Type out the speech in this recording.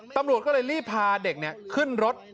ตำรวจก็เลยรีบพาเด็กขึ้นรถ